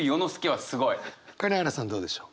金原さんどうでしょう？